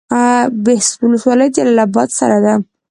بهسودو ولسوالۍ جلال اباد سره ده؟